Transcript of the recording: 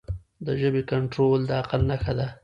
د ژبې کنټرول د عقل نښه ده.